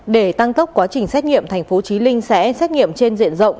để tăng tốc quá trình xét nghiệm thành phố trí linh sẽ xét nghiệm trên diện rộng